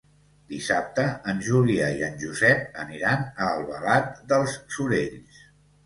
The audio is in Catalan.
Dissabte en Julià i en Josep aniran a Albalat dels Sorells.